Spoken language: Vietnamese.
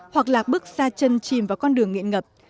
hoặc lạc bước xa chân chìm vào con đường nghiện ngập